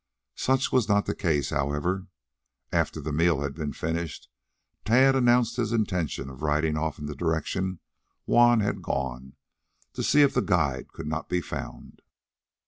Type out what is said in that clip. Such was not the case, however. After the meal had been finished Tad announced his intention of riding off in the direction Juan had gone, to see if the guide could not be found.